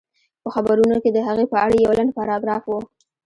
په خبرونو کې د هغې په اړه يو لنډ پاراګراف و